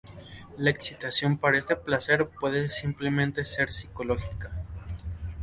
La excitación para este placer puede simplemente ser psicológica.